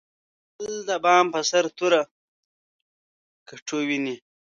بل د بام په سر توره کټوه ویني.